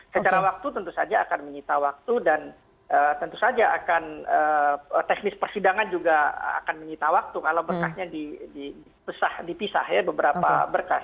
secara waktu tentu saja akan menyita waktu dan tentu saja akan teknis persidangan juga akan menyita waktu kalau berkasnya dipisah ya beberapa berkas